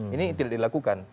ini tidak dilakukan